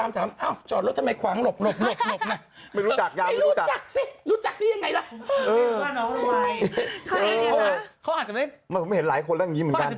มันเห็นหลายคนแล้วอย่างนี้เหมือนกัน